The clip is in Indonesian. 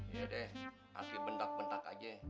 iya deh kasih bentak bentak aja